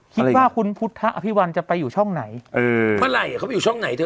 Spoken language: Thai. คิดว่าคุณพุทธอภิวัลจะไปอยู่ช่องไหนเออเมื่อไหร่เขาไปอยู่ช่องไหนเธอ